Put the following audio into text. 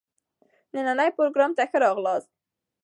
نني پروګرام ته ښه راغلاست.